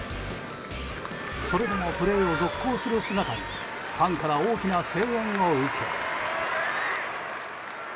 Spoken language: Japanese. それでもプレーを続行する姿にファンから大きな声援を受け。